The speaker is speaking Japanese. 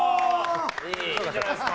いいんじゃないすか？